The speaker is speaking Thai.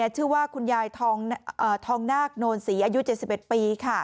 ชื่อว่าคุณยายทองนาคโนนศรีอายุ๗๑ปี